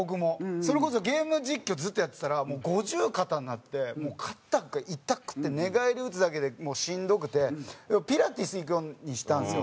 それこそゲーム実況ずっとやってたらもう五十肩になってもう肩が痛くて寝返り打つだけでもうしんどくてピラティス行くようにしたんですよ。